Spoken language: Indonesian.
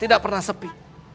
tidak pernah sepi